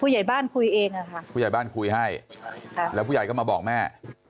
ใหญ่บ้านคุยเองอะค่ะผู้ใหญ่บ้านคุยให้แล้วผู้ใหญ่ก็มาบอกแม่